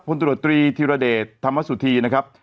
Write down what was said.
ตรวจตรีธิรเดชธรรมสุธีนะครับ